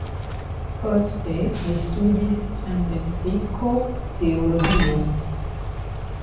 Poste li studis en Lepsiko teologion.